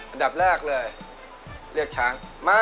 อันดับแรกเลยเรียกช้างมา